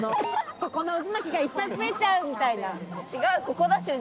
あごの渦巻きがいっぱい増えちゃうみたいな。